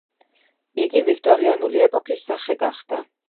იგი ვიქტორიანული ეპოქის სახე გახდა.